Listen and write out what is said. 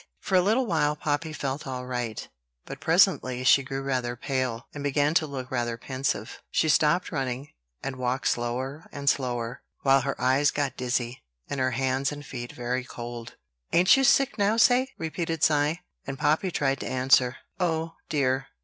For a little while Poppy felt all right; but presently she grew rather pale, and began to look rather pensive. She stopped running, and walked slower and slower, while her eyes got dizzy, and her hands and feet very cold. "Ain't you sick now, say?" repeated Cy; and Poppy tried to answer, "Oh, dear!